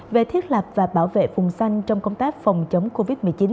về thiết lập và bảo vệ phùng xanh trong công tác phòng chống covid một mươi chín